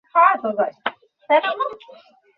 Terracotta আর্মিতে যোদ্ধা ছাড়াও রথ ও ঘোড়ার মূর্তি আছে।